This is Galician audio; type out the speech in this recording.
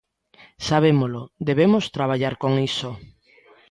Sabémolo, debemos traballar con iso.